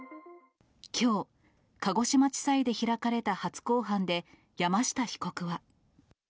きょう、鹿児島地裁で開かれた初公判で、山下被告は。